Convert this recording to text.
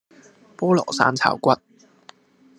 菠蘿生炒骨